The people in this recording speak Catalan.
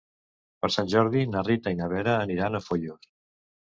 Per Sant Jordi na Rita i na Vera aniran a Foios.